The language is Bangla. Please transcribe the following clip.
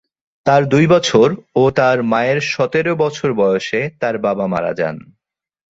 তার দুই বছর ও তার মায়ের সতেরো বছর বয়সে তার বাবা মারা যান।